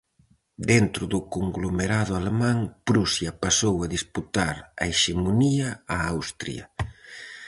Dentro do conglomerado alemán, Prusia pasou a disputar a hexemonía a Austria.